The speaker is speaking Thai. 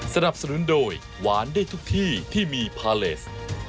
สนับสนุนโดยหวานได้ทุกที่ที่มีพาเลส